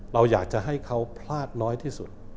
เราอยากจะให้เขาพลาดน้อยที่สุด